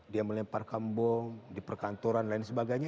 dia melempar kampung di perkantoran dan lain sebagainya